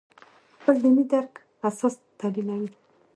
خپل دیني درک اساس تحلیلوي.